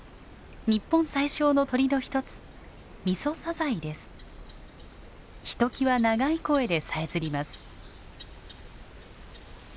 日本最小の鳥の一つひときわ長い声でさえずります。